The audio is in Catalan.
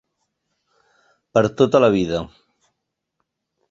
Per a tota la vida.